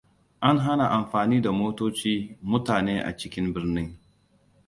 An hana amfani da motoci mutane a cikin birni.